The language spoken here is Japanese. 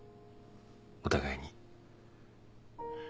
お互いに。